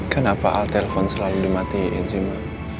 kenapa al telpon selalu dimatikan sih ma